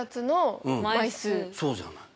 そうじゃない？